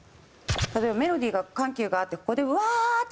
例えばメロディーが緩急があってここでウワーッ！って